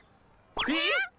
えっ！？